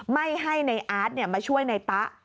ไม่ให้นายอาร์ทมาช่วยนายต๊ะ